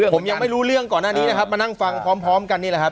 ผมยังไม่รู้เรื่องก่อนหน้านี้นะครับมานั่งฟังพร้อมกันนี่แหละครับ